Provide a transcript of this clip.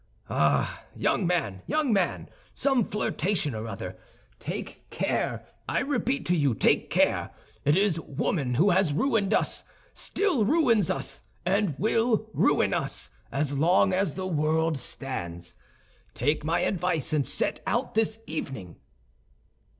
"Ah, young man, young man, some flirtation or other. Take care, I repeat to you, take care. It is woman who has ruined us, still ruins us, and will ruin us, as long as the world stands. Take my advice and set out this evening."